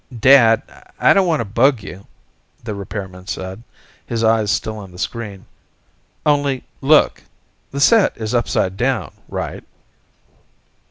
"Dad, I don't want to bug you," the repairman said, his eyes still on the screen, "only, look. The set is upside down, right?"